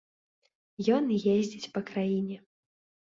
Ён ездзіць па краіне.